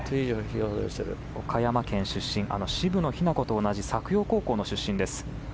岡山県出身渋野日向子と同じ作陽高校出身です。